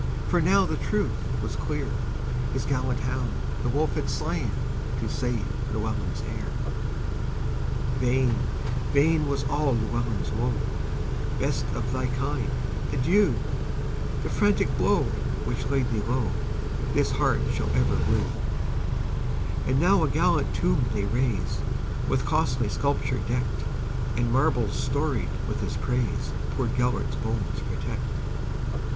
For now the truth was clear; His gallant hound the wolf had slainTo save Llewelyn's heir:Vain, vain was all Llewelyn's woe;"Best of thy kind, adieu! The frantic blow which laid thee lowThis heart shall ever rue."And now a gallant tomb they raise, With costly sculpture decked; And marbles storied with his praisePoor Gêlert's bones protect.